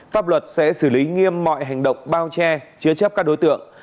pháp luật sẽ xử lý nghiêm mọi hành động bao che chứa chấp các đối tượng